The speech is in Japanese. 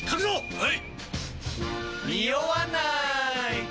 はい。